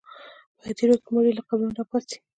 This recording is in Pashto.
په هدیرو کې به مړي له قبرونو راپاڅي.